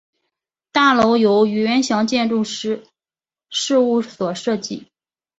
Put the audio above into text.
大楼由吕元祥建筑师事务所设计。